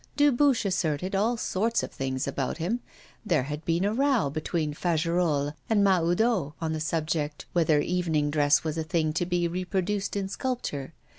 Dubuche asserted all sorts of things about him. There had been a row between Fagerolles and Mahoudeau on the subject whether evening dress was a thing to be reproduced in sculpture.